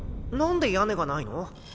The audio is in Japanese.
何で屋根がないの？